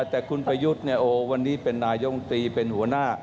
แต่คุณประยุทธ์วันนี้เป็นนายมตรีเป็นหัวหน้า